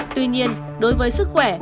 tuy nhiên đối với sức khỏe